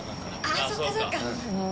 あっそっかそっか！